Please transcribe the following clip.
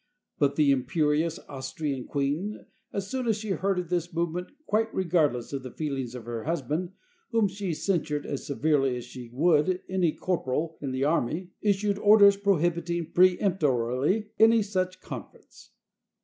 But the imperious Austrian queen, as soon as she heard of this movement, quite regardless of the feelings of her husband, whom she censured as severely as she would any corporal in the army, issued orders prohibiting, peremptorily, any such conference.